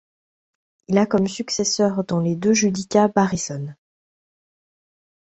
Il a comme successeur dans les deux Judicats Barisone.